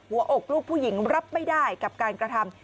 หัวอกลูกผู้หญิงรับไม่ได้กับการกระทำ